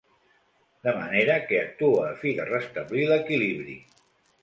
De manera que actue a fi de restablir l'equilibri.